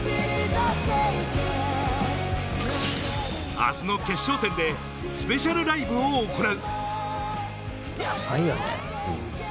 明日の決勝戦でスペシャルライブを行う。